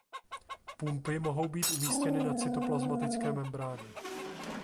Pumpy mohou být umístěny na cytoplazmatické membráně.